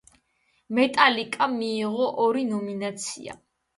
მეტალიკამ მიიღო ორი ნომინაცია.